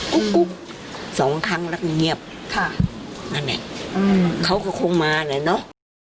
กุ๊บ๒ครั้งแล้วก็เงียบนั่นเนี่ยเขาก็คงมาเนี่ยเนาะ